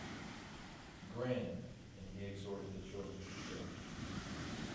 “Grand!” And he exhorted the children to try.